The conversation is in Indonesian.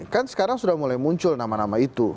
kan sekarang sudah mulai muncul nama nama itu